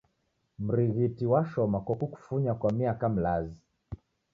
Mrighiti washoma kwa kukufunya kwa miaka milazi.